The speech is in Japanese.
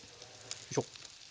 よいしょ。